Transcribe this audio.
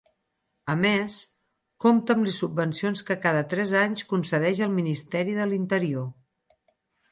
A més, compta amb les subvencions que cada tres anys concedeix el Ministeri de l'Interior.